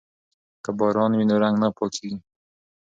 که باران وي نو رنګ نه پاکیږي.